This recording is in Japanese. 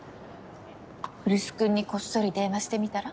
来栖君にこっそり電話してみたら？